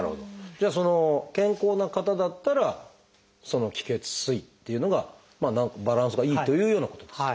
じゃあ健康な方だったらその「気・血・水」っていうのがバランスがいいというようなことですか？